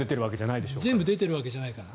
全部出ているわけじゃないから。